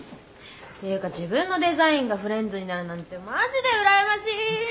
ていうか自分のデザインがフレンズになるなんてマジで羨ましい！